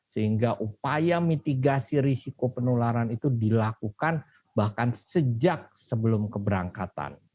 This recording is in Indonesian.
sehingga upaya mitigasi risiko penularan itu dilakukan bahkan sejak sebelum keberangkatan